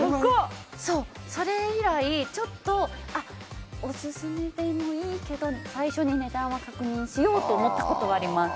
それ以来、ちょっとオススメでもいいけど最初に値段は確認しようと思ったことはあります。